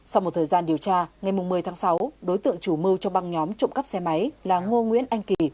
sau một thời gian điều tra ngày một mươi tháng sáu đối tượng chủ mưu trong băng nhóm trộm cắp xe máy là ngô nguyễn anh kỳ